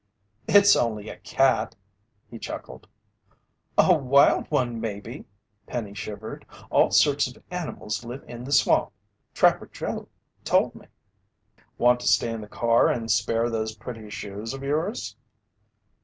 "It's only a cat," he chuckled. "A wild one, maybe," Penny shivered. "All sorts of animals live in the swamp, Trapper Joe told me." "Want to stay in the car and spare those pretty shoes of yours?"